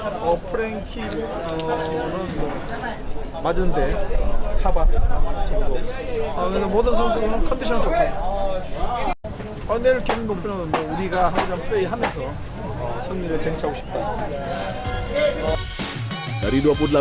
pada hari ini kita akan berusaha untuk menang